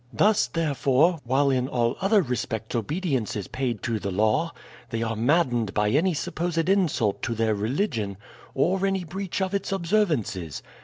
Thus, therefore, while in all other respects obedience is paid to the law, they are maddened by any supposed insult to their religion, or any breach of its observances.